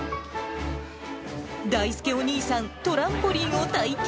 だいすけお兄さん、トランポリンを体験。